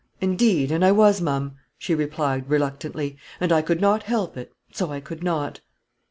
"Indeed, and I was, ma'am," she replied, reluctantly, "and I could not help it, so I could not."